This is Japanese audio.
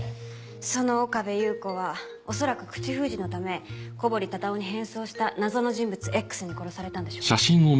その岡部祐子は恐らく口封じのため小堀忠夫に変装した謎の人物Ｘに殺されたんでしょうね。